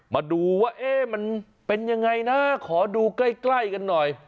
มาดูว่ามันเป็นยังไงนะขอดูใกล้กันหน่อย